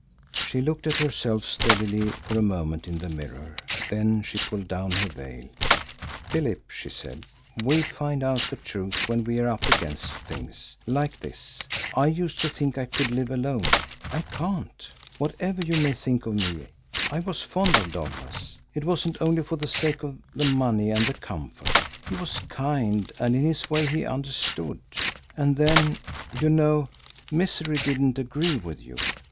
She looked at herself steadily for a moment in the mirror. Then she pulled down her veil. "Philip," she said, "we find out the truth when we are up against things like this. I used to think I could live alone. I can't. Whatever you may think of me, I was fond of Douglas. It wasn't only for the sake of the money and the comfort. He was kind, and in his way he understood. And then, you know, misery didn't agree with you.